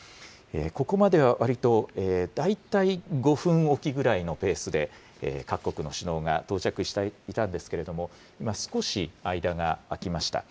ここまではわりと大体５分置きぐらいのペースで各国の首脳が到着していたんですけれども、今、少し間があきました。